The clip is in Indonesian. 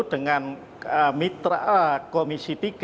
dengan mitra komisi tiga